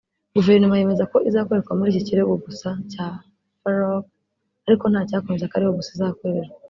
Guverinoma yemeza ko izakoreshwa muri iki kirego gusa(cya Farook) ariko ntacyakwemeza ko ariho gusa izakoreshwa